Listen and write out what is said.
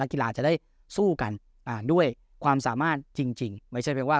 กีฬาจะได้สู้กันด้วยความสามารถจริงจริงไม่ใช่แปลว่า